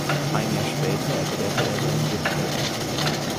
Ein Jahr später erklärte er seinen Rücktritt.